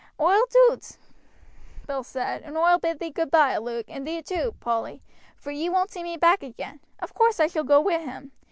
"Oi'll do't," Bill said, "and oi'll bid thee goodby, Luke, and thee too, Polly, for ye won't see me back agin. Of course I shall go wi' him.